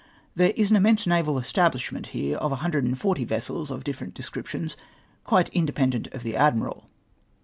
"There is (X7i immense naval estahlishment here of a hundi'ed and forty vessels of different descriptions quite independent of the Admiral